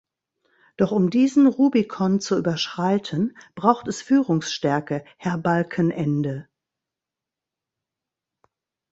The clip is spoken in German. Doch um diesen Rubikon zu überschreiten, braucht es Führungsstärke, Herr Balkenende.